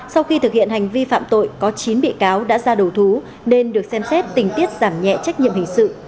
sau khi thực hiện hành vi phạm tội có chín bị cáo đã ra đầu thú nên được xem xét tình tiết giảm nhẹ trách nhiệm hình sự